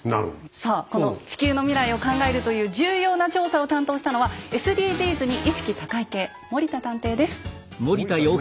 さあこの地球の未来を考えるという重要な調査を担当したのはＳＤＧｓに意識高い系森田探偵です。